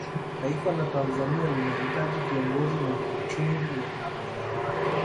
taifa la tanzania linahitaji kiongozi mwenye uchungu na raia wake